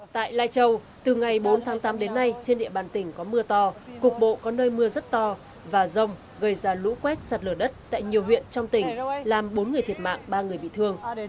tại lai châu từ ngày bốn tháng tám đến nay trên địa bàn tỉnh có mưa to cục bộ có nơi mưa rất to và rông gây ra lũ quét sạt lở đất tại nhiều huyện trong tỉnh làm bốn người thiệt mạng ba người bị thương